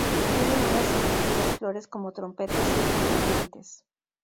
Tienen unas atractivas flores como trompetas y hojas brillantes.